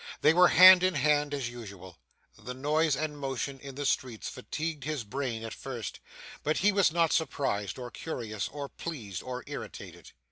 They were hand in hand as usual. The noise and motion in the streets fatigued his brain at first, but he was not surprised, or curious, or pleased, or irritated.